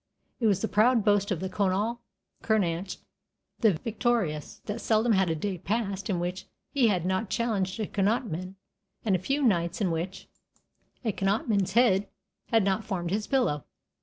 It was the proud boast of Conall Cernach, "the Victorious", that seldom had a day passed in which he had not challenged a Connachtman, and few nights in which a Connachtman's head had not formed his pillow.